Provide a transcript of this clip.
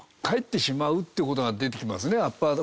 返ってしまうっていう事が出てきますね。